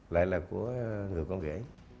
lại là của người con ghế